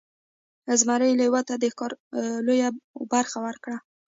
زمري لیوه ته د ښکار لویه برخه ورکړه.